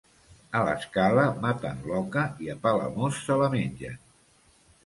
A l'Escala maten l'oca i a Palamós se la mengen.